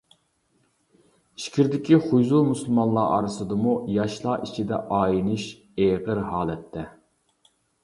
ئىچكىرىدىكى خۇيزۇ مۇسۇلمانلار ئارىسىدىمۇ ياشلار ئىچىدە ئاينىش ئېغىر ھالەتتە.